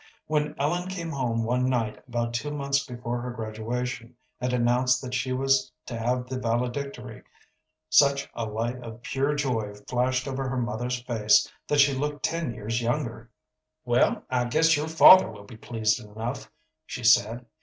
When Ellen came home one night about two months before her graduation, and announced that she was to have the valedictory, such a light of pure joy flashed over her mother's face that she looked ten years younger. "Well, I guess your father will be pleased enough," she said.